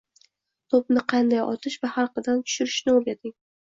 To‘pni qanday otish va halqadan tushirish o'rgating.